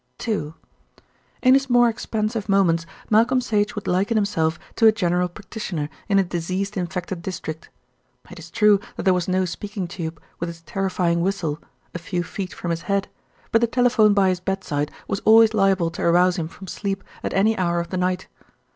II In his more expansive moments Malcolm Sage would liken himself to a general practitioner in a diseased infected district. It is true that there was no speaking tube, with its terrifying whistle, a few feet from his head; but the telephone by his bedside was always liable to arouse him from sleep at any hour of the night.